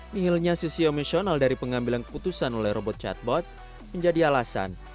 mihilnya sisi emosional dari pengambilan keputusan oleh robot chatbot menjadi alasan